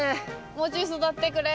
もうちょい育ってくれ。